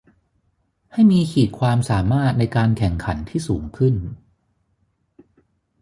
ให้มีขีดความสามารถในการแข่งขันที่สูงขึ้น